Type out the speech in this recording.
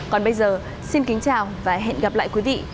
còn bây giờ xin kính chào và hẹn gặp lại quý vị